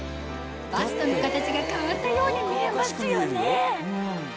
バストの形が変わったように見えますよね